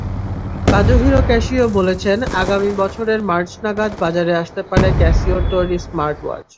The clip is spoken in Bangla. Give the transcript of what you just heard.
কাজোহিরো ক্যাশিও বলেছেন, আগামী বছরের মার্চ নাগাদ বাজারে আসতে পারে ক্যাসিওর তৈরি স্মার্টওয়াচ।